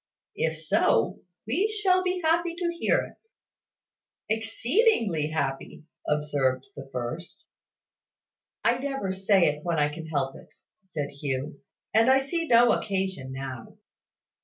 "If so, we shall be happy to hear it." "Exceedingly happy," observed the first. "I never say it when I can help it," said Hugh; "and I see no occasion now."